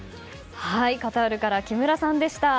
カタールから木村さんでした。